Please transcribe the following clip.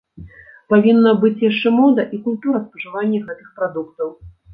Павінна быць яшчэ мода і культура спажывання гэтых прадуктаў.